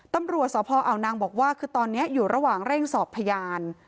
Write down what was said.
ตำรวจสพอาวนางบอกว่าคือตอนนี้อยู่ระหว่างเร่งสอบพยาน